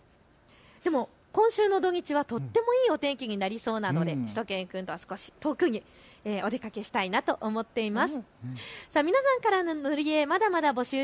でも今週の土曜日はとってもいいお天気になりそうなのでしゅと犬くんは特にお出かけしたいなと思ってます。